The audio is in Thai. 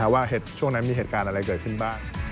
ว่าช่วงนั้นมีเหตุการณ์อะไรเกิดขึ้นบ้าง